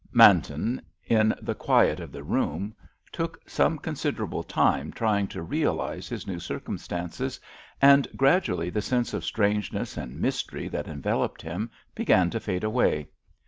Manton, in the quiet of the room, took some considerable time trying to realise his new circumstances, and gradually the sense of strangeness and mystery that enveloped him began to fade away.